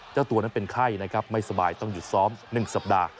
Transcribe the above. เจ้าตัวนั้นเป็นไข้นะครับไม่สบายต้องหยุดซ้อม๑สัปดาห์